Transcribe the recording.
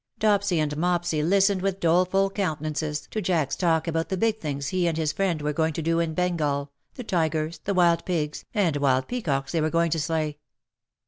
Dopsy and Mopsy listened with doleful counte nances to Jack's talk about the big things he and his friend were going to do in Bengal, the tigers, the wild pigs, and wild peacocks they were going to slay.